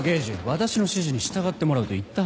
私の指示に従ってもらうと言ったはずだ。